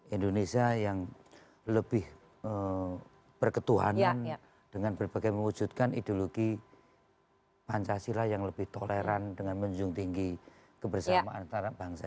indonesia yang lebih berketuhanan dengan berbagai yang mewujudkan ideologi pancasila yang lebih toleran dengan menunjung tinggi kebersamaan antarabangsa